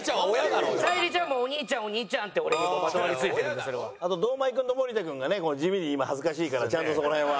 沙莉ちゃんもお兄ちゃんお兄ちゃんって俺にもうまとわりついてるんでそれは。堂前君と森田君がね地味に今恥ずかしいからちゃんとそこの辺は。